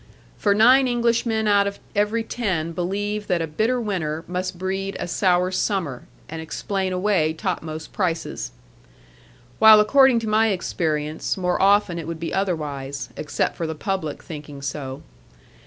For nine Englishmen out of every ten believe that a bitter winter must breed a sour summer, and explain away topmost prices. While according to my experience, more often it would be otherwise, except for the public thinking so.